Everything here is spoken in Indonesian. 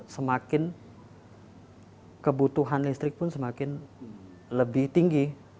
semakin kebutuhan listrik pun semakin lebih tinggi